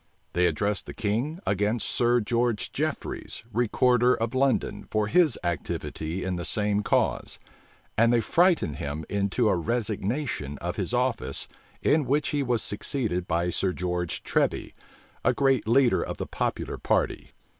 They addressed the king against Sir George Jefferies, recorder of London, for his activity in the same cause; and they frightened him into a resignation of his office, in which he was succeeded by Sir George Treby, a great leader of the popular party.